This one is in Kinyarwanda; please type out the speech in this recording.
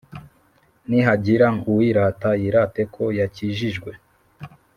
Nihagira uwirata yirate ko yakijijwe